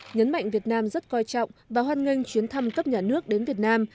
nhấn mạnh việt nam rất coi trọng và hoan nghênh chuyến thăm cấp nhà nước đến việt nam